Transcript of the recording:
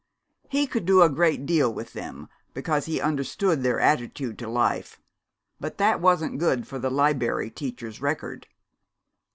He could do a great deal with them, because he understood their attitude to life, but that wasn't good for the Liberry Teacher's record.